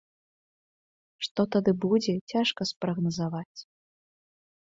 Што тады будзе, цяжка спрагназаваць.